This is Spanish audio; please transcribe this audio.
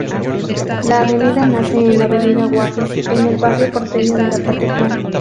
La avenida nace en la Avenida Warnes, en el barrio porteño de La Paternal.